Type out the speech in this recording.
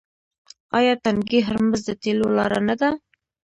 آیا تنګی هرمز د تیلو لاره نه ده؟